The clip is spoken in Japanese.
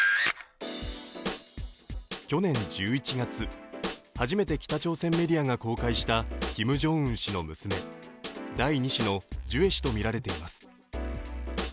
去年１１月、初めて北朝鮮メディアが公開したキム・ジョンウン氏の娘第２子のジュエ氏とみられています